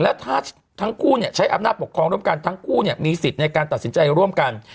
แล้วถ้าทั้งคู่ใช้อำนาจปกครองร่วมกันทั้งคู่มีสิทธิ์ในการตัดสินใจร่วมกัน